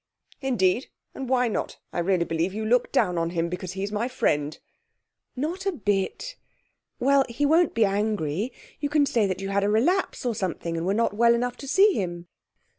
'Indeed, and why not? I really believe you look down on him because he's my friend.' 'Not a bit. Well, he won't be angry; you can say that you had a relapse, or something, and were not well enough to see him.'